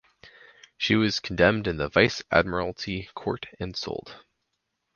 She was condemned in the Vice admiralty court and sold.